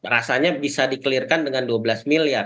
rasanya bisa dikelirkan dengan dua belas miliar